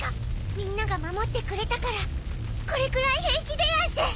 みんなが守ってくれたからこれくらい平気でやんす。